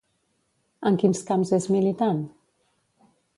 En quins camps és militant?